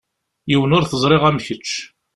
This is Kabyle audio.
Yiwen ur t-ẓriɣ am kečč.